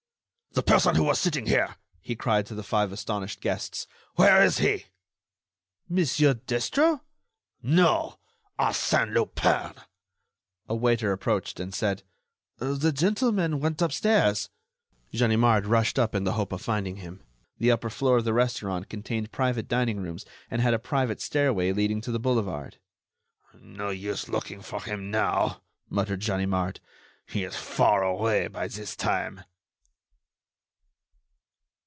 "The person who was sitting here!" he cried to the five astonished guests. "Where is he?" "Monsieur Destro?" "No; Arsène Lupin!" A waiter approached and said: "The gentleman went upstairs." Ganimard rushed up in the hope of finding him. The upper floor of the restaurant contained private dining rooms and had a private stairway leading to the boulevard. "No use looking for him now," muttered Ganimard. "He is far away by this time."